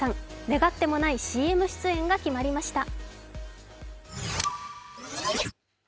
願ってもないＣＭ出演が決まりました。